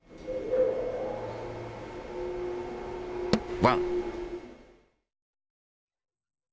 ワン。